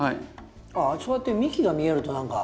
ああそうやって幹が見えると何か。